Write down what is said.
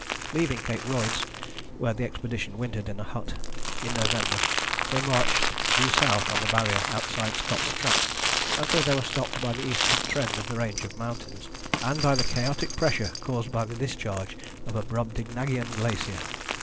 Leaving Cape Royds, where the expedition wintered in a hut, in November, they marched due south on the Barrier outside Scott's track until they were stopped by the eastward trend of the range of mountains, and by the chaotic pressure caused by the discharge of a Brobdingnagian glacier.